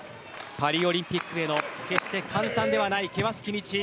パリオリンピックへの決して簡単ではない険しき道。